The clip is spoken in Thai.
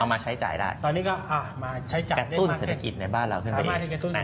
มาใช้จ่ายได้กระตุ้นเศรษฐกิจในบ้านเราขึ้นมา